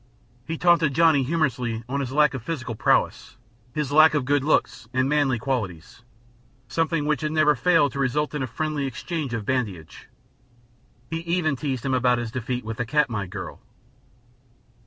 He taunted Johnny humorously on his lack of physical prowess, his lack of good looks and manly qualities something which had never failed to result in a friendly exchange of badinage; he even teased him about his defeat with the Katmai girl.